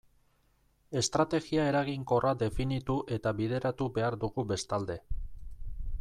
Estrategia eraginkorra definitu eta bideratu behar dugu bestalde.